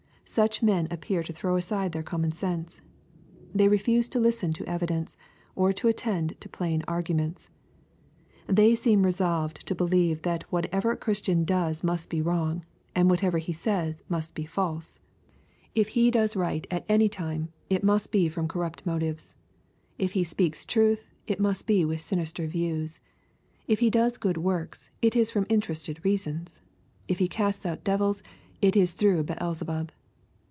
Such men appear to throw aside their common sense. They refuse to listen to evidence, or to attend to plain arguments. They seem resolved to believe that whatever a Christian does must be wrong, frnd v.'hatever he says must be false 1 — If he does right LUKE, CHAP. XI. 19 at any time, it must be from corrupt n^otives ! If he speaks truth, it must be with sinister views 1 If he does good works, it is from interested reasons I If he casts out devils, it is through Beelzebub